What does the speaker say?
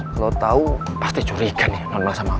kalau tau pasti curiga nih non mail sama aku